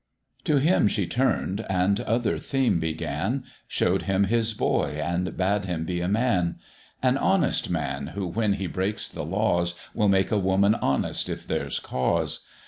To him she turn'd, and other theme began, Show'd him his boy, and bade him be a man; "An honest man, who, when he breaks the laws, Will make a woman honest if there's cause."